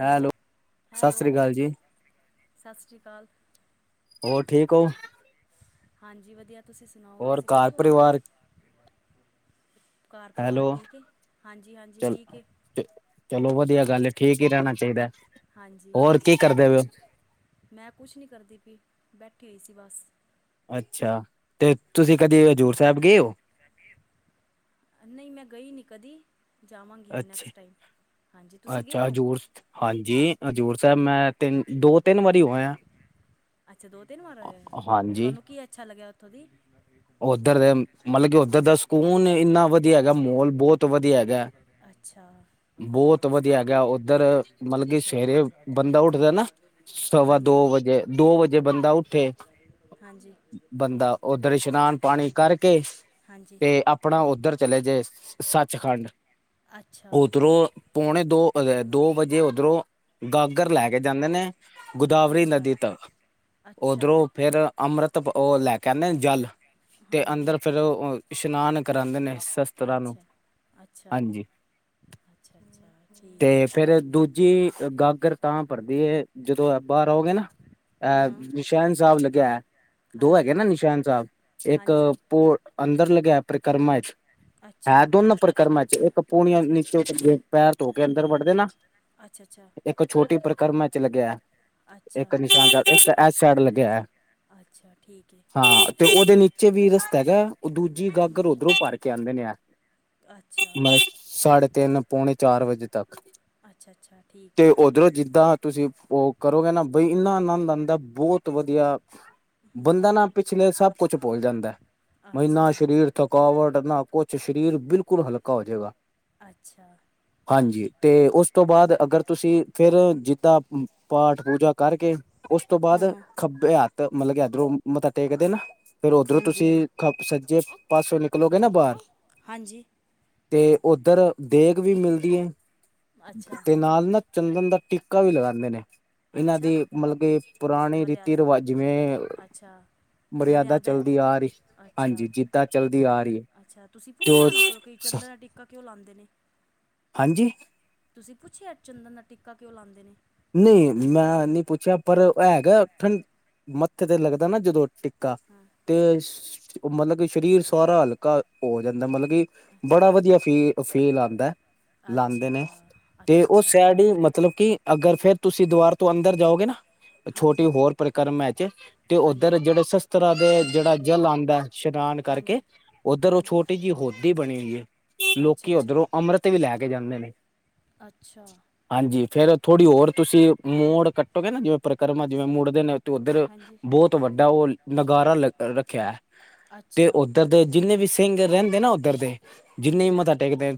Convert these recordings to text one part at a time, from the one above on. Hello Sat Sri ਅਕਾਲ ਜੀ ਸਤਿ ਸ਼੍ਰੀ ਅਕਾਲ। ਹੋਰ ਠੀਕ ਓ? ਹਾਂਜੀ ਵਧੀਆ ਤੁਸੀਂ ਸੁਣਾਓ ਹੋਰ ਤੁਸੀਂ ਘਰ ਠੀਕ ਓ। ਪਰਿਵਾਰ ਘੱਰ ਹੈਲੋ ਪਰਿਵਾਰ ਠੀਕ ਏ ਹਾਂਜੀ-ਹਾਂਜੀ ਚਲ ਠੀਕ ਏ। ਚਲੋ ਵਧੀਆ ਗੱਲ ਏ ਠੀਕ ਹੀ ਰਹਿਣਾ ਚਾਹੀਦਾ ਹਾਂਜੀ ਹੋਰ ਕੀ ਕਰਦੇ ਪਏ ਓ? ਮੈਂ ਕੁੱਛ ਨੀ ਕਰਦੀ ਪੀ ਬੈਠੀ ਹੋਈ ਸੀ ਬਸ। ਅੱਛਾ ਤੇ ਤੁਸੀਂ ਕਦੇ ਹਜ਼ੂਰ ਸਾਹਿਬ ਹਾਂਜੀ ਗਏ ਓ? ਨਹੀਂ ਮੈਂ ਗਈ ਨੀ ਕਦੀ ਜਾਵਾਂਗੀ ਹੁਣ ਅੱਛਾ ਨੈਕਸਟ ਟਾਇਮ। ਹਾਂਜੀ ਤੁਸੀਂ ਗਏ ਅੱਛਾ ਓ? ਹਜ਼ੂਰ ਹਾਂਜੀ ਹਜ਼ੂਰ ਸਾਹਿਬ ਮੈਂ ਤਿੰਨ ਦੋ ਤਿੰਨ ਵਾਰੀ ਹੋਇਆ [unintelligible] ਅੱਛਾ ਦੋ-ਤਿੰਨ ਵਾਰ ਹੋਏ ਹਾਂਜੀ ਤੁਹਾਨੂੰ ਕੀ ਅੱਛਾ ਲੱਗਿਆ ਉੱਥੋਂ ਦੀ। ਉੱਧਰ ਦੇ ਮਤਲਬ ਕਿ ਉੱਧਰ ਦਾ ਸਕੂਨ ਇੰਨਾ ਵਧੀਆ ਹੈਗਾ ਮੋਲ ਬੋਤ ਵਧੀਆ ਹੈਗਾ। ਅੱਛਾ ਬੋਤ ਵਧੀਆ ਹੈਗਾ ਉੱਧਰ ਮਤਲਬ ਕਿ ਅੱਛਾ ਸਵੇਰੇ ਬੰਦਾ ਉੱਠਦਾ ਏ ਨਾ ਸਵਾ ਦੋ ਹਾਂਜੀ ਵਜੇ ਦੋ ਵਜੇ ਬੰਦਾ ਉੱਠੇ ਹਾਂਜੀ ਬੰਦਾ ਉੱਧਰ ਇਸ਼- ਇਸ਼ਨਾਨ ਪਾਣੀ ਕਰਕੇ ਹਾਂਜੀ ਤੇ ਆਪ ਆਪਣਾ ਉੱਧਰ ਚਲੇਜੇ ਸੱਚਖੰਡ ਅੱਛਾ ਉਧਰੋਂ ਪੋਣੇ ਦੋ ਇਹ ਦੋ ਵਜੇ ਉਧਰੋਂ ਗਾਗਰ ਲੈ ਹਮ, ਕੇ ਜਾਂਦੇ ਨੇ ਗੋਦਾਵਰੀ ਅੱਛਾ ਨਦੀ ਤਕ ਅੱਛਾ ਉਧਰੋਂ ਫਿਰ ਅੰਮ੍ਰਿਤ ਉਹ ਲੈ ਕੇ ਆਨੇ ਜੱਲ ਤੇ ਹਾਂਜੀ ਅੰਦਰ ਫਿਰ ਉਹ ਇਸ਼ਨਾਨ ਕਰਾਦੇ ਨੇ ਸਸ ਤਰਾਨੂੰ, ਅੱਛਾ ਅੱਛਾ ਹਾਂਜੀ, ਅੱਛਾ ਅੱਛਾ ਠੀਕ ਹੈ ਤੇ ਫਿਰ ਦੂ ਜੀ ਗਾਗਰ ਤਾਂ ਭਰਦੀ ਏ ਜਦੋਂ ਬਾਰ ਆਓ ਗੇ ਨਾ, ਹਾਂ ਐ ਹਾਂ ਨਿਸ਼ਾਨ ਸਾਹਿਬ ਲੱਗੇਆ ਹੋਐ ਦੋ ਹਾਂਜੀ ਹੈਗੇ ਨਾ ਨਿਸ਼ਾਨ ਇੱਕ ਹਾਂਜੀ ਪੋ ਅੰਦਰ ਲੱਗਿਆ ਪ੍ਰਿਕਰਮਾ ਚ। ਹੈ ਅੱਛਾ ਦੋਨੋ ਪ੍ਰਕਰਮਾ ਚ ਇਕ ਪੁਨ ਅੱਛਾ ਨੀਚੇ ਪੈਰ ਧੋ ਕੇ ਅੰਦਰ ਵੜ ਦੇ ਨਾ ਆ ਛਾ-ਛਾ। ਇੱਕ ਛੋਟੀ ਪਰਿਕਰਮਾ ਚ ਲਿਖਿਆ ਹੋਐ। ਅੱਛਾ ਇੱਕ ਨਿਸ਼ਾਨ ਸਾਹਿਬ ਇਸ ਸਾਈਡ ਲੱਗਿਆ ਅੱਛਾ ਠੀਕ ਹੈ ਹੋਐ। ਤੇ ਓਦੇ ਨੀਚੇ ਵੀ ਰਸਤਾ ਹੈਗਾ, ਓ ਦੂਜੀ ਹਮ, ਗਾਗਰ ਉਦਰੋ ਭਰ ਕੇ ਆਂਦੇ। ਅੱਛਾ ਮੈਂ ਸਾਢੇ ਤਿੰਨ ਪੌਣੇ ਚਾਰ ਵਜੇ ਤੱਕ। ਅੱਛਾ ਅੱਛਾ ਠੀਕ ਤੇ ਹੈ ਉਧਰੋਂ ਜਿੱਦਾਂ ਤੁਸੀਂ ਓ ਕਰੋਗੇ ਨਾ ਬੰਦਾ ਬਹੁਤ ਵਧੀਆ ਬੰਦਾ ਨਾ ਪਿਛਲੇ ਸਭ ਕੁਝ ਭੁੱਲ ਜਾਂਦੈ, ਅੱਛਾ ਮਹੀਨਾ ਸ਼ਰੀਰ ਥਕਾਵਟ ਨਾ ਕੁਝ ਸਰੀਰ ਬਿਲਕੁਲ ਹਲਕਾ ਹੋ ਜੇਗਾ। ਅੱਛਾ। ਹਾਂਜੀ ਤੇ ਓਸ ਤੋਂ ਬਾਦ ਅਗਰ ਤੁਸੀਂ ਫਿਰ ਜਿੱਦਾਂ ਮ ਪਾਠ ਪੂਜਾ ਕਰਕੇ, ਓਸ ਤੋਂ ਬਾਦ ਹਾਂ ਖੱਬੇ ਹੱਥ ਮਤਲਬ ਕਿ ਇਧਰੋਂ ਮੱਥਾ ਟੇਕਦੇ ਨਾ ਫੇਰ ਉਦਰੋ ਹਾਂਜੀ ਤੁਸੀਂ ਹਾਂਜੀ ਸੱਜੇ ਪਾਸੇ ਨਿਕਲੋਗੇ ਨਾ ਬਾਰ ਹਾਂਜੀ ਹਾਂਜੀ ਤੇ ਓਧਰ ਦੇਗ ਵੀ ਮਿਲਦੀ ਐ ਅੱਛਾ ਤੇ ਨਾਲ ਨਾ ਚੰਦਨ ਦਾ ਟਿੱਕਾ ਵੀ ਲਗਾਂਦੇ ਨੇ। ਐਨਾਂ ਅੱਛਾ ਦੀ ਮਤਲਬ ਕਿ ਪੁਰਾਣੀ ਮਰਿਆ ਰੀਤੀ ਰਿਵਾਜ ਜਿਵੇਂ, ਮਰਿਆਦਾ ਭੈ ਚੱਲਦੀ ਆ ਰਹੀ ਹਾਂਜੀ ਜਿੱਦਾਂ ਚੱਲਦੀ ਆ ਰਹੀ ਹੈ ਅੱਛਾ-ਅੱਛਾ ਤੁਸੀਂ ਤੇ ਪੁੱਛਿਆ ਉਹ ਓਨਾਂ ਕੋਲ ਕੋਈ ਸ- ਚੰਦਰਾ ਟਿੱਕ ਕਿਊ ਲਾਂਂਦੇ ਨੇ? ਹਾਂਜੀ? ਤੁਸੀਂ ਪੁੱਛਿਆ ਚੰਦਨ ਦਾ ਟਿਕਾ ਕਿਉ ਲਾਦੇ ਨੇ? ਨੀ ਮੈਂ ਨੀ ਪੁੱਛਿਆ ਪਰ ਆ ਹੈਗਾ ਠੰ ਮੱਥੇ ਤੇ ਲੱਗਦਾ ਨਾ ਜਦੋਂ ਟੀ ਕਾ, ਹਾਂ ਤੇ ਹਾਂ ਸ ਮਤਲਬ ਕਿ ਸਰੀਰ ਸਾਰਾ ਹਲਕਾ ਹੋ ਜਾਂਦੈ ਮਤਲਬ ਕੀ ਅੱਛਾ ਬੜਾ ਵਧੀਆ ਫੀ ਫੀਲ ਆਦੈ। ਲਾਂਦੈ ਅੱਛਾ ਨੇ, ਤੇ ਅੱਛਾ ਓ ਅੱਛਾ ਹਾਂ ਸੈਡ ਈ ਮਤਲਬ ਕੀ ਅਗਰ ਫੇਰ ਤੁਸੀਂ ਦੀਵਾਰ ਤੋਂ ਅੰਦਰ ਜਾਓਗੇ ਨਾ ਛੋਟੀ ਹਾਂਜੀ ਹੋਰ ਪਰਕਰਮ ਚ ਤੇ ਹਾਂਜੀ ਉੱਧਰ ਜਿਹੜੇ ਸਸ ਤਰਾ ਦੇ ਜੇੜਾ ਜਲ ਆਂਦੈ ਇਸ਼ਨਾਨ ਕਰਕੇ, ਹਾਂਜੀ ਓਧਰ ਓ ਹਾਂਜੀ ਛੋਟੀ ਜੇ ਹੋਦੀ ਬਣੀ ਉਈ ਐ। ਅੱਛਾ ਲੋਕੀ ਅੱਛਾ ਓਧਰੋ ਅੰਮ੍ਰਿਤ ਵੀ ਲੈ ਕੇ ਜਾਂਦੇ ਨੇ। ਅੱਛਾ। ਹਾਂਜੀ ਫਿਰ ਥੋੜੀ ਹੋਰ ਤੁਸੀਂ ਮੋਡ ਕੱਟੋਗੇ ਨਾ ਜਿਵੇਂ ਪਰਿਕਰਮਾ ਜਿਵੇਂ ਮੋੜਦੇ ਨੇ ਤੇ ਓਧਰ ਹਾਂਜੀ ਬੋਤ ਵੱਡਾ ਓ ਨਗਾਰਾ ਰੱਖੇਐ ਤੇ ਅੱਛਾ ਓਧਰ ਤੇ ਜਿੰਨੇ ਵੀ ਸਿੰਘ ਰੈਂਦੇ ਨਾ ਓਦਰਦੇ, ਜਿੰਨੇ ਹਾਂਜੀ ਮਤਾ ਟੇਕਦੇ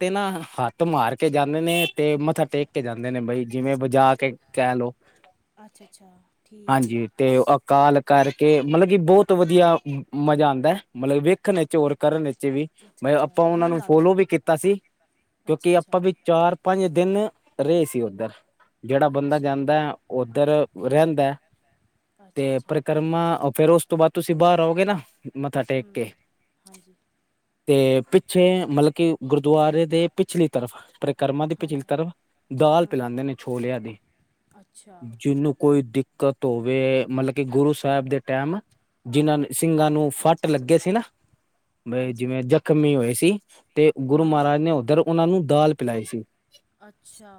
ਤੇ ਨਾ, ਹੱਥ ਮਾਰ ਕੇ ਜਾਂਦੇ ਨੇ ਤੇ ਮੱਥਾ ਅੱਛਾ ਟੇਕ ਕੇ ਜਾਂਦੇ ਨੇ ਬਈ ਜਿਵੇਂ ਬਜਾ ਕੇ ਕੈ ਲੋ। ਅੱਛਾ ਅੱਛਾ ਠੀਕ ਹੈ ਤੇ ਅਕਾਲ ਕਰਕੇ ਮਲਬ ਕੀ ਬੋਤ ਵਧੀਆ ਮਜ਼ਾ ਆਦਾ ਐ ਮਲਬ ਵੇ ਖਣ ਚੋਰ ਕਰਨ ਵਿੱਚ ਵੀ, ਅੱਛਾ ਮੈਂ ਅੱਛਾ ਆਪਾਂ ਓਨਾਂ ਆਨੰਦ ਨੂੰ ਆਉਂਦਾ ਫੋਲੋ ਹੈ ਵੀ ਕੀਤਾ ਸੀ, ਅੱਛਾ ਕਿਉਂਕਿ ਅੱਛਾ ਆਪਾਂ ਚਾਰ-ਪੰਜ ਦਿਨ, ਰਏ ਸੀ ਓਧਰ ਜੇੜਾ ਬੰਦਾ ਅੱਛਾ ਜਾਂਦੈ ਓਧਰ ਰੈਂਦੈ ਅੱਛਾ ਤੇ ਅੱਛਾ ਪਰ ਕਮਾ ਫੇਰ ਉਸ ਤੋਂ ਬਾਦ ਤੁਸੀਂ ਬਾਰ ਆਓਗੇ ਨਾ ਮੱਥਾ ਟੇਕ ਹੂੰ ਕੇ ਹਾਂਜੀ ਤੇ ਪਿੱਛੇ ਮਲਬ ਕਿ ਗੁਰਦੁਆਰੇ ਦੇ ਪਿਛਲੀ ਤਰਫ, ਪਰਿਕਰਮਾ ਦੀ ਪਿਛਲੀ ਹਾਂਜੀ ਤਰਫ ਦਾਲ ਹਾਂ ਪਿਲਾ ਦੇ ਨੇ ਛੋਲਿਆਂ ਦੀ ਅੱਛਾ ਜੀਨੂੰ ਕੋਈ ਦਿੱਕਤ ਹੋਵੇ ਮਲਬ ਕਿ ਗੁਰੂ ਸਾਹਿਬ ਦੇ ਟਾਈਮ, ਜਿਨਾ ਨੇ ਸਿੰਘਾਂ ਨੂੰ ਅੱਛਾ ਫੱਟ ਅੱਛਾ ਲੱਗੇ ਸੀ ਨਾ ਬੇ ਹਾਂਜੀ ਜਿਵੇਂ ਜਖ਼ਮੀ ਹੋਏ ਸੀ ਤੇ ਗੁਰੂ ਹਾਂ ਹਾਂ ਮਹਾਰਾਜ ਨੇ ਓਧਰ ਓਨਾਂ ਨੂੰ ਦਾਲ ਪਿਲਾਈ ਸੀ। ਅੱਛਾ।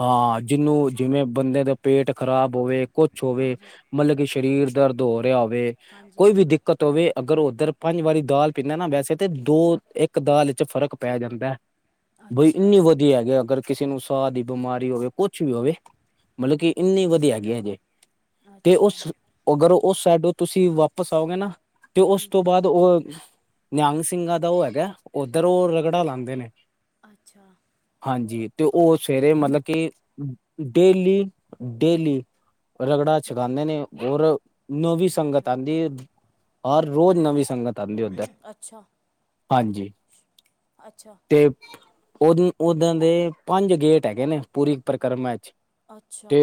ਹਾਂ, ਜਿਹਨੂੰ ਜਿਵੇਂ ਬੰਦੇ ਦਾ ਪੇਟ ਖ਼ਰਾਬ ਹੋਵੇ ਕੁਛ ਹੋਵੇ, ਹਾਂਜੀ ਮਤਲਬ ਕਿ ਸਰੀਰ ਦਰਦ ਹੋ ਰਿਹਾ ਹੋਵੇ, ਹਾਂਜੀ ਕੋਈ ਵੀ ਦਿੱ ਕਤ ਹੋਵੇ, ਅਗਰ ਉਧਰ ਪੰਜ ਵਾਰੀ ਦਾਲ ਪੀਂਦਾ ਨਾ, ਵੈਸੇ ਤੇ ਦੋ ਇੱਕ ਦਾਲ ਵਿੱਚ ਫ਼ਰਕ ਪੈ ਜਾਂਦਾ। ਬਈ ਅੱਛਾ ਇੰਨੀ ਵਧੀਆ ਹੈਗੀ, ਅਗਰ ਕਿਸੇ ਨੂੰ ਸਾਹ ਦੀ ਬਿਮਾਰੀ ਹੋਵੇ। ਕੁਛ ਵੀ ਹੂੰ ਹੋਵੇ, ਮਤਲਬ ਹੂੰ ਕਿ ਇੰਨੀ ਵਧੀਆ ਹੈਗੀ ਆ ਜੇ, ਤੇ ਅੱਛਾ ਉਸ ਅਗਰ ਉਸ ਸਾਈਡੋ ਤੁਸੀਂ ਵਾਪਿਸ ਆਓਗੇ ਨਾ, ਤੇ ਉਸ ਹੂੰ ਤੋਂ ਬਾਅਦ ਤੇ ਉਹ ਨਿਹੰਗ ਸਿੰਘਾਂ ਦਾ ਉਹ ਹੈਗਾ, ਉੱਧਰ ਉਹ ਰਗੜਾ ਲਾਂਦੇ ਨੇ। ਅੱਛਾ। ਹਾਂਜੀ, ਤੇ ਉਹ ਸਵੇਰੇ ਹੂੰ ਮਤਲਬ ਕਿ ਡੇਲੀ-ਡੇਲੀ ਰਗੜਾ ਹਾਂ ਛਕਾਂਦੇ ਨੇ, ਔਰ ਨਵੀਂ ਸੰਗਤ ਅੱਛਾ ਆਂਦੀ ਏ। ਹਰ ਰੋਜ਼ ਨਵੀਂ ਸੰਗਤ ਆਂਦੀ ਐ ਮੰਮੀ ਓਦਰ, ਅੱਛਾ ਹਾਂਜੀ। ਅੱਛਾ। ਤੇ ਉਹਦੇ ਉਦਾਂ ਦੇ ਪੰਜ ਗੇਟ ਹੈਗੇ ਨੇ, ਪੂਰੀ ਪਰਿਕਰਮਾ ਵਿੱਚ। ਅੱਛਾ ਤੇ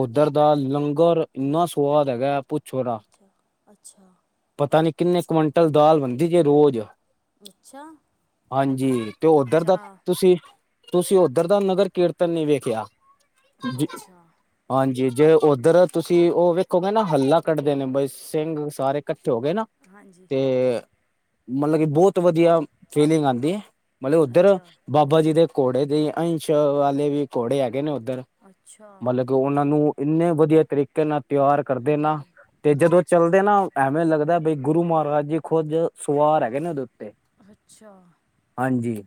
ਓਦਰ ਦਾ ਲੰਗਰ ਇੰਨਾ ਸਵਾਦ ਹੈਗਾ। ਪੁੱਛੋ ਰਾ, ਅੱਛਾ ਅੱਛਾ ਪਤਾ ਨੀ ਕਿੰਨੇ ਕੁਅੰਟਲ ਦਾਲ ਬਣਦੀ ਜੇ ਰੋਜ਼। ਅੱਛਾ ਹਾਂਜੀ, ਤੇ ਓਦਰ ਅੱਛਾ ਦਾ ਆ ਤੁਸੀਂ ਤੁਸੀਂ ਓਦਰ ਦਾ ਨਗਰ ਕੀਰਤਨ ਨੀ ਵੇਖਿਆ, ਜੀ। ਅੱਛਾ ਹਾਂਜੀ, ਜੇ ਓਦਰ ਤੁਸੀਂ ਉਹ ਵੇਖੋਗੇ ਨਾ ਹੱਲਾ ਕੱਢਦੇ ਨੇ ਬਈਸ। ਸਿੰਘ ਸਾਰੇ ਕੱਠੇ ਹੋ ਕੇ ਨਾ। ਹਾਂਜੀ ਤੇ ਮਤਲਬ ਕਿ ਬਹੁਤ ਵਧੀਆ ਫੀਲਿੰਗ ਆਂਦੀ ਐ। ਮਤਲਬ ਓਦਰ ਅੱਛਾ ਬਾਬਾ ਜੀ ਦੇ ਘੋੜੇ ਦੇ ਅੰਸ਼ ਵਾਲੇ ਵੀ ਘੋੜੇ ਹੈਗੇ ਨੇ ਓਦਰ। ਅੱਛਾ। ਮਤਲਬ ਕਿ ਉਹਨਾਂ ਨੂੰ ਇੰਨੇ ਵਧੀਆ ਤਰੀਕੇ ਨਾਲ ਤਿਆਰ ਕਰਦੇ ਨਾ ਤੇ ਅੱਛਾ ਜਦੋਂ ਅੱਛਾ ਚੱਲਦੇ ਨਾ ਐਵੇਂ ਲੱਗਦਾ ਬਈ ਗੁਰੂ ਮਹਾਰਾਜ ਜੀ ਖੁੱਦ, ਸਵਾਰ ਹੈਗੇ ਨੇ ਉਹਦੇ ਉੱਤੇ ਅੱਛਾ ਹਾਂਜੀ।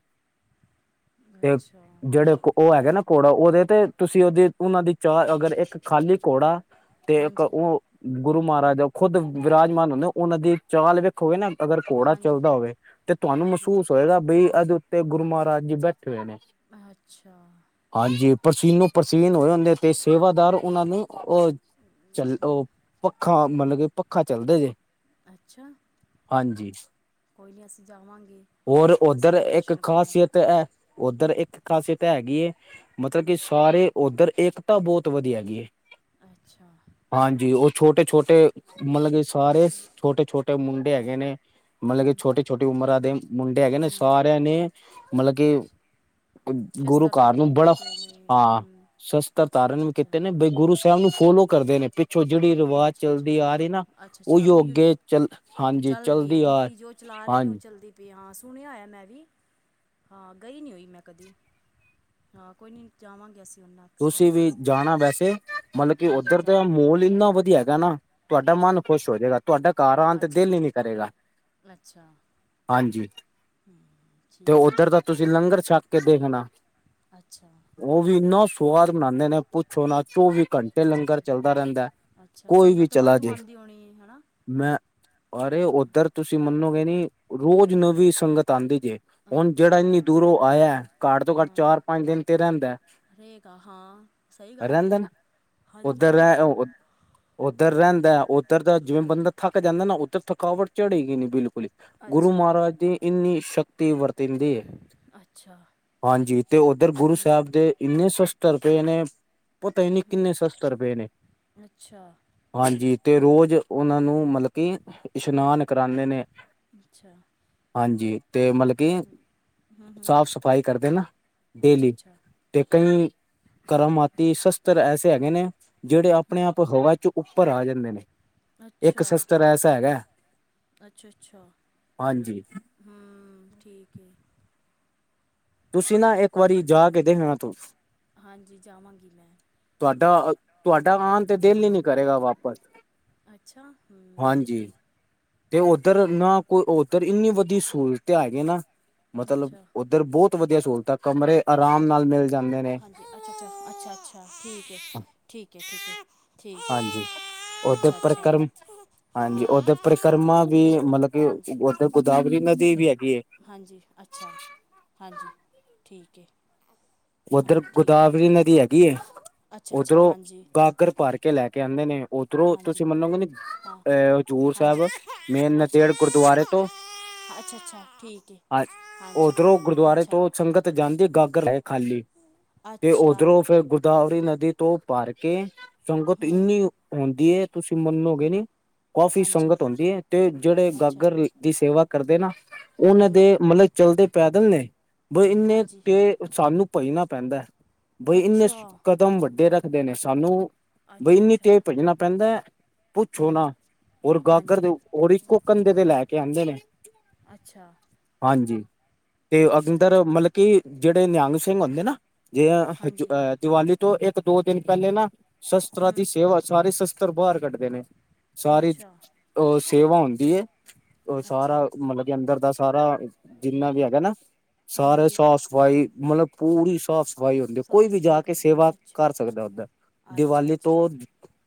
ਤੇ ਅੱਛਾ। ਜਿਹੜੇ ਉਹ ਹੈਗੇ ਨਾ ਘੋੜਾ, ਉਹਦੇ ਤੇ ਤੁਸੀਂ ਉਹਦੀ ਉਹਨਾਂ ਦੀ ਚਾਹ ਅਗਰ ਇੱਕ ਖਾਲੀ ਘੋੜਾ ਤੇ ਇੱਕ, ਹਾਂਜੀ ਉਹ ਗੁਰੂ ਮਹਾਰਾਜ ਖੁੱਦ ਵਿਰਾਜਮਾਨ ਹੁੰਦੇ ਉਹਨਾਂ ਦੀ ਚਾਲ ਵੇਖ ਕੋਈ ਨਾ ਅਗਰ ਘੋੜਾ ਹਾਂਜੀ ਚੱਲਦਾ ਹੋਵੇ। ਤੇ ਤੁਹਾਨੂੰ ਹਾਂਜੀ ਮਹਿਸੂਸ ਹੋਏਗਾ, ਬਈ ਇਹਦੇ ਉੱਤੇ ਗੁਰੂ ਮਹਾਰਾਜ ਜੀ ਬੈਠੇ ਹੋਏ ਨੇ। ਅੱਛਾ। ਹਾਂਜੀ, ਪ੍ਰਸੀਨੋ ਪ੍ਰਸੀਨ ਹੋਏ ਹੁੰਦੇ, ਤੇ ਸੇਵਾਦਾਰ ਉਹਨਾਂ ਨੂੰ ਅ ਝੱਲ ਉਹ ਪੱਖਾ ਮਤਲਬ ਕਿ ਪੱਖਾ ਝੱਲਦੇ ਜੇ। ਅੱਛਾ। ਹਾਂਜੀ ਕੋਈ ਨੀ ਅਸੀਂ ਜਾਵਾਂਗੇ, ਹੋਰ ਅਸੀਂ ਵੀ ਦਰਸ਼ਨ ਕਰਾਂਗੇ। ਓਦਰ ਇੱਕ ਖ਼ਾਸੀਅਤ ਹੈਗੀ ਏ, ਮਤਲਬ ਹੂੰ ਕਿ ਸਾਰੇ ਓਦਰ ਏਕਤਾ ਬਹੁਤ ਵਧੀਆ ਹੈਗੀ ਏ। ਅੱਛਾ। ਹਾਂਜੀ, ਉਹ ਛੋਟੇ-ਛੋਟੇ ਮਤਲਬ ਕਿ ਸਾਰੇ ਛੋਟੇ-ਛੋਟੇ ਮੁੰਡੇ ਹੈਗੇ ਨੇ। ਮਤਲਬ ਕਿ ਹੂੰ ਛੋਟੀ-ਛੋਟੀ ਉਮਰਾਂ ਦੇ ਮੁੰਡੇ ਹੈਗੇ ਨੇ, ਹੂੰ ਸਾਰਿਆਂ ਨੇ ਮਤਲਬ ਕਿ ਗੁਰੂ ਸ਼ਸਤਰ ਘਰ ਧਾਰਨ ਨੂੰ ਬੜਾ ਕੀਤੇ ਹੋਏ ਨੇ ਹਾਂ, ਹੂੰ ਸ਼ਸਤਰ ਅੱਛਾ ਧਾਰਨ ਅੱਛਾ ਕੀਤੇ ਨੇ, ਬਈ ਗੁਰੂ ਹੂੰ ਸਾਹਿਬ ਨੂੰ ਫੋਲੋ ਕਰਦੇ ਨੇ, ਪਿ ਛੋਂ ਜਿਹੜੀ ਰਵਾਜ਼ ਅੱਛਾ ਅੱਛਾ ਚੱਲਦੀ ਆ ਰਹੀ ਨਾ, ਅੱਛਾ ਅੱਛਾ ਉਹੀਓ ਉਹ ਯੂ ਅੱਗੇ ਚੱਲ ਹਾਂਜੀ ਚੱਲ ਰਹੀ ਹੈ ਚੱਲਦੀ ਆ ਰੀਤੀ ਜੋ ਚਲਾ ਰਹੇ ਨੇ ਉਹ ਹਾਂਜੀ ਚੱਲਦੀ ਪਈ ਆ, ਹਾਂ ਸੁਣਿਆ ਹੋਇਆ ਮੈਂ ਵੀ ਹਾਂ ਗਈ ਨੀ ਹੋਈ ਮੈਂ ਕਦੀ। ਹਾਂ, ਕੋਈ ਨੀ ਜਾਵਾਂਗੇ ਅਸੀਂ ਉਹਨਾਂ ਤੁਸੀਂ ਵੀ ਜਾਣਾ ਵੈਸੇ, ਮਤਲਬ ਕਿ ਹਾਂਜੀ ਓਦਰ ਦਾ ਜਾਵਾਂਗੇ ਮਹੋਲ ਇੰਨਾ ਵਧੀਆ ਹੈਗਾ ਨਾ, ਤੁਹਾਡਾ ਮਨ ਖੁਸ਼ ਹੋ ਜੇਗਾ। ਤੁਹਾਡਾ ਘਰ ਆਉਣ ਤੇ ਅੱਛਾ ਦਿਲ ਹੀ ਨੀ ਕਰੇਗਾ, ਅੱਛਾ ਹਾਂਜੀ [inaudible] ਤੇ ਓਦਰ ਦਾ ਤੁਸੀਂ ਹੈ ਲੰਗਰ ਛੱਕ ਕੇ ਦੇਖਣਾ। ਅੱਛਾ। ਉਹ ਵੀ ਇੰਨਾ ਸੁਵਾਦ ਬਨਾਂਦੇ ਨੇ, ਪੁੱਛੋ ਨਾ ਚੌਵੀ ਘੰਟੇ ਅੱਛਾ ਲੰਗਰ ਅੱਛਾ ਚੱਲਦਾ ਰਹਿੰਦਾ। ਅੱਛਾ, ਕੋਈ ਵੀ ਸੰਗਤ ਚਲਾ ਵਾਧੂ ਜੇ ਆਂਦੀ ਹੋਣੀ ਏ। ਹਨਾ। ਮੈਂ ਅਰੇ ਇੱਧਰ ਤੁਸੀਂ ਮੰਨੋਗੇ ਨੀ ਰੋਜ਼ ਨਵੀਂ ਸੰਗਤ ਆਂਦੀ ਜੇ ਹੁਣ ਜਿਹੜਾ ਅੱਛਾ ਇੰਨੀ ਦੂਰੋਂ ਆਇਆ, ਘੱਟ ਤੋਂ ਘੱਟ ਚਾਰ- ਪੰਜ ਦਿਨ ਤੇ ਰਹਿੰਦਾ ਰੇਗਾਾ ਹਾਂ ਸਹੀ ਗੱਲ ਹੈ ਰੈਂਦਾ ਨਾ ਹਾਂਜੀ ਉੱਧਰ ਰਹੇਗਾ ਰਹਿ ਉੱਧਰ ਰਹਿੰਦਾ ਉੱਧਰ ਦਾ ਜਿਵੇਂ ਹਾਂਜੀ ਬੰਦਾ ਥੱਕ ਜਾਂਦਾ ਨਾ ਉੱਥੇ ਥਕਾਵਟ ਚੜੇਗੀ ਬਿਲਕੁਲ ਗੁਰੂ ਅੱਛਾ ਮਹਾਰਾਜ ਦੀ ਇੰਨੀ ਸ਼ਕਤੀ ਵਰਤੀਦੀ ਹੈ ਅੱਛਾ ਹਾਂਜੀ ਤੇ ਉੱਧਰ ਗੁਰੂ ਹੂੰ ਸਾਹਿਬ ਦੇ ਇੰਨੇ ਸਸਤਰ ਪਏ ਨੇ ਪਤਾ ਹੀ ਨਹੀਂ ਹੂੰ ਕਿੰਨੇ ਸਸਤਰ ਪਏ ਨੇ ਅੱਛਾ ਹਾਂਜੀ, ਤੇ ਰੋਜ਼ ਉਹਨਾਂ ਨੂੰ ਮਤਲਬ ਕਿ ਇਸ਼ਨਾਨ, ਕਰਾਉਂਦੇ ਨੇ ਅੱਛਾ ਹਾਂਜੀ ਤੇ ਮਤਲਬ ਕਿ, ਹੂੰ ਹੂੰ ਸਾਫ਼ -ਸਫ਼ਾਈ ਕਰਦੇ ਨਾ, ਅੱਛਾ ਡੇਲੀ ਅੱਛਾ ਤੇ ਕਈ ਕਰਾਮਾਤੀ ਸ਼ਸਤਰ ਐਸੇ ਹੈਗੇ ਨੇ ਜਿਹੜੇ ਆਪਣੇ ਹੂੰ ਆਪ ਹਵਾ ਚ ਉੱਪਰ ਆ ਜਾਂਦੇ ਨੇ ਇੱਕ ਅੱਛਾ ਸਸਤਰ ਐਸਾ ਹੈਗਾ ਹਾਂਜੀ ਹਾਂ ਠੀਕ ਹੈ ਤੁਸੀਂ ਨਾ, ਇੱਕ ਵਾਰੀ ਜਾ ਕੇ ਦੇਖਣਾ ਤੂੰ ਹਾਂਜੀ ਜਾਵਾਂਗੀ ਮੈਂ ਤੁਹਾਡਾ ਤੁਹਾਡਾ ਆਣ ਤੇ ਦਿਲ ਹੀ ਨੀ ਕਰੇਗਾ ਵਾਪਸ ਅੱਛਾ ਹ ਹਾਂਜੀ ਤੇ ਉੱਧਰ ਨਾ ਕੋਈ ਉੱਧਰ ਇੰਨੀ ਵਧੀਆ ਸਹੂਲਤ ਹੈਗੀ ਨਾ ਮਤਲਬ। ਅੱਛਾ ਇੱਧਰ ਬੋਤ ਵਧੀਆ ਸਹੂਲਤਾਂ ਕਮਰੇ ਆਰਾਮ ਨਾਲ ਮਿਲ ਜਾਂਦੇ ਨੇ। ਹਾਂਜੀ ਅੱਛਾ ਅੱਛਾ ਅੱਛਾ ਅੱਛਾ ਠੀਕ ਹੈ ਠੀਕ ਹੈ ਠੀਕ ਹੈ। ਠੀਕ ਹੈ ਹਾਂਜੀ। ਉਥੇ ਅੱਛਾ ਅੱਛਾ ਪਰਿਕਰਮਾ ਵੀ ਹਾਂਜੀ ਓਦੇ ਹਾਂ ਪਰਿਕਰਮਾ ਵੀ ਮਤਲਬ ਕਿ। ਹਾਂਜੀ ਗੋਦਾਵਰੀ ਨਦੀ ਵੀ ਹੈਗੀ ਏ। ਹਾਂਜੀ ਅੱਛਾ ਹਾਂਜੀ ਠੀਕ ਹੈ। ਹਾਂ ਉੱਧਰ ਠੀਕ ਹੈ ਗੋਦਾਵਰੀ ਨਦੀ ਹੈਗੀ ਅੱਛਾ ਅੱਛਾ ਉੱਧਰੋਂ ਹਾਂਜੀ ਗਾਗਰ ਭਾਰ ਕੇ ਲੈ ਕੇ ਆਂਦੇ ਨੇ। ਓਧਰੋਂ ਹਾਂਜੀ ਤੁਸੀਂ ਮੰਨੋਗੇ ਨਹੀਂ, ਹਾਂ ਅ ਹਜ਼ੂਰ ਹਾਂਜੀ ਸਾਹਿਬ, ਮੇਨ ਅੱਛਾ ਨਦੇੜ ਗੁਰਦੁਆਰੇ ਤੋਂ ਅੱਛਾ ਅੱਛਾ ਠੀਕ ਹੈ ਹਾਂ ਉਧਰੋਂ ਹਾਂਜੀ ਗੁਰਦੁਆਰੇ ਅੱਛਾ ਤੋਂ ਸੰਗਤ ਜਾਂਦੇ ਗਾਗਰ ਲੈ ਕੇਖਾਲੀ ਤੇ ਅੱਛਾ ਉੱਧਰੋਂ ਫੇਰ ਗੋਦਾਵਰੀ ਨਦੀ ਤੋਂ ਭਾਰ ਕੇ ਸੰਗਤ ਹੂੰ ਇੰਨੀ ਹੁੰਦੀ। ਤੁਸੀਂ ਮੰਨੋਗੇ ਹੂੰ ਨੀ ਕਾਫੀ ਹਾਂਜੀ ਸੰਗਤ ਹੁੰਦੀ ਹੈ ਤੇ ਜਿਹੜੇ ਅੱਛਾ ਗਾਗਰ ਦੀ ਸੇਵਾ ਕਰਦੇ ਨਾ ਉਹਨਾਂ ਹੂੰ ਦੇ ਮਤਲਬ ਚਲਦੇ ਪੈਦਲ ਨੇ ਬ ਇੰਨੇ ਹਾਂਜੀ ਸਾਨੂੰ ਭੱਜਣਾ ਪੈਂਦਾ, ਬਈ ਇੰਨੇ ਅੱਛਾ ਕਦਮ ਵੱਡੇ ਰੱਖਦੇ ਨੇ ਸਾਨੂੰ ਬਈ ਅੱਛਾ ਇੰਨੀ ਅੱਛਾ ਤੇਜ਼ ਭੱਜਣਾ ਪੈਂਦਾ ਪੁੱਛੋ ਹੂੰ ਨਾ? ਹੋਰ ਗਾਗਰ ਹਾਂਜੀ ਦੇ ਹੋਰ ਇੱਕੋ ਕੰਧੇ ਤੇ ਲੈ ਕੇ ਆਂਦੇ ਨੇ ਅੱਛਾ ਹਾਂਜੀ ਤੇ ਅੱਛਾ ਅੰਦਰ ਅੱਛਾ ਮਤਲਬ ਕਿ ਜਿਹੜੇ ਜਿਹੜੇ ਨਿਹੰਗ ਸਿੰਘ ਹੁੰਦੇ ਨਾ, ਜੇ ਹਾਂਜੀ ਦੀਵਾਲੀ ਤੋਂ ਇੱਕ- ਦੋ ਦਿਨ ਪਹਿਲੇ ਨਾ ਸ਼ਸਤਰਾਂ ਦੀ ਹੂੰ ਸੇਵਾ ਸਾਰੇ ਸ਼ਸਤਰ ਬਾਹਰ ਕੱਢਦੇ ਨੇ ਸਾਰੇ ਅੱਛਾ ਉਹ ਸੇਵਾ ਹੁੰਦੀ ਉਹ ਅੱਛਾ ਸਾਰਾ ਮਤਲਬ ਕਿ ਅੰਦਰ ਦਾ ਸਾਰਾ ਜਿੰਨਾ ਵੀ ਹੈਗਾ ਨਾ ਸਾਰੇ ਹਾਂਜੀ ਸਾਫ਼ ਸਫ਼ਾਈ ਮਤਲਬ ਪੂਰੀ ਸਾਫ਼ ਸਫ਼ਾਈ ਹੁੰਦੀ ਕੋਈ ਸਾਫ ਵੀ ਜਾ ਸਫਾਈ ਕੇ ਕਰਦੇ ਸੇਵਾ ਨੇ ਕਰ ਅੱਛਾ ਸਕਦਾ ਹੁੰਦਾ। ਅੱਛਾ ਦੀਵਾਲੀ ਤੋਂ। ਅੱਛਾ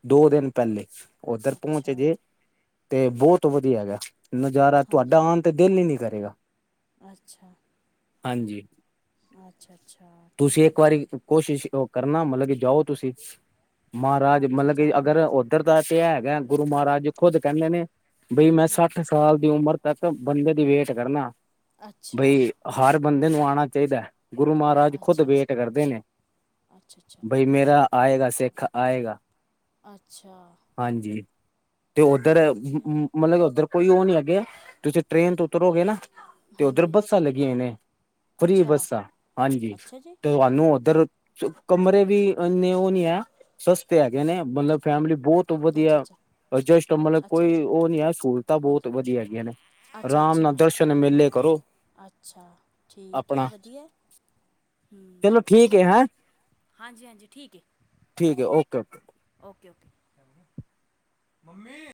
ਦੋ ਦਿਨ ਪਹਿਲੇ ਉੱਧਰ ਪਹੁੰਚ ਅੱਛਾ ਗਏ ਤੇ ਬਹੁਤ ਵਧੀਆ ਹੈਗਾ। ਨਜ਼ਾਰਾ ਹਾਂਜੀ ਤੁਹਾਡਾ ਆਣ ਤੇ ਦਿਲ ਹੀ ਨੀ ਕਰੇਗਾ ਅੱਛਾ ਹਾਂਜੀ। ਅੱਛਾ ਅੱਛਾ। ਤੁਸੀਂ ਇੱਕ ਠੀਕ ਵਾਰੀ ਹੈ ਕੋਸ਼ਿਸ਼ ਕਰਨਾ ਮਤਲਬ ਕਿ ਜਾਓ ਤੁਸੀਂ। ਮਹਾਰਾਜ ਹਾਂਜੀ ਮਤਲਬ ਕਿ ਅਗਰ। ਜਾਵਾਂਗੇ ਇੱਧਰ ਦਾ ਤੇ ਵੈਸੇ ਹੈਗਾ ਗੁਰੂ ਮਹਾਰਾਜ ਜੀ ਖੁਦ ਕੈਂਦੇ ਨੇ ਬਈ ਮੈਂ ਸੱਠ। ਸਾਲ ਦੀ ਉਮਰ ਤੱਕ ਬੰਦੇ ਦੀ ਵੇਟ ਕਰਨਾ ਅੱਛਾ ਬਈ। ਹਰ ਬੰਦੇ ਨੂੰ ਆਣਾ ਚਾਹੀਦਾ ਹੈ ਗੁਰੂ ਮਹਾਰਾਜ। ਖੁਦ ਅੱਛਾ ਵੇਟ ਕਰਦੇ ਨੇ ਅੱਛਾ ਅੱਛਾ ਬਈ ਮੇਰਾ ਆਏਗਾ ਸਿੱਖ ਆਏਗਾ। ਅੱਛਾ। ਹਾਂਜੀ ਤੇ ਉੱਧਰ। ਵਧੀਆ ਮਤਲਬ ਕਿ ਉੱਧਰ ਕੋਈ ਉਹ ਨੀ ਹੈਗੇ ਤੁਸੀਂ ਟ੍ਰਰੇਨ ਤੋਂ ਉਤਰੋਗੇ ਨਾ। ਤੇ ਉੱਧਰ ਹਾਂਜੀ ਬੱਸਾਂ ਲੱਗੀਆਂ ਨੇ ਫਰੀ ਅੱਛਾ ਬੱਸਾਂ ਹਾਂਜੀ। ਅੱਛਾ ਜੀ ਤੇ ਤੁਹਾਨੂੰ ਉਧਰ, ਕਮਰੇ ਵੀ ਇੰਨੇ ਉਹ ਨੀ ਹੈ। ਸਸਤੇ ਹੈਗੇ ਨੇ, ਮਤਲਬ ਫੈਮਿਲੀ ਬਹੁਤ। ਤੋਂ ਅੱਛਾ ਵਧੀਆ ਅੱਛਾ ਅਡਜਟ ਮਤਲਬ ਅੱਛਾ ਕੋਈ ਉਹ ਨੀ ਹੈ ਸਹੂਲਤਾਂ ਬਹੁਤ ਹਾਂਜੀ ਵਧੀਆ ਹੈਗੀਆਂ ਨੇ। ਅੱਛਾ- ਆਰਾਮ ਅੱਛਾ, ਨਾਲ ਦਰਸ਼ਨ ਠੀਕ ਹੈ, ਮੇਲੇ ਕਰੋ ਅੱਛਾ, ਠੀਕ ਹੈ, ਆਪਣਾ ਵਧੀਆ ਹੈ। ਹਮ, ਚਲੋ ਠੀਕ ਹੈ ਹੈਂ ਹਾਂਜੀ -ਹਾਂਜੀ ਠੀਕ ਹੈ। ਠੀਕ ਹੈ, ਓਕੇ- ਓਕੇ। Okay- okay.